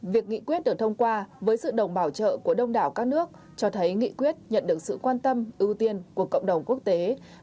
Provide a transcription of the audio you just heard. việc nghị quyết được thông qua với sự đồng bảo trợ của đông đảo các nước cho thấy nghị quyết nhận được sự quan tâm ưu tiên của cộng đồng quốc tế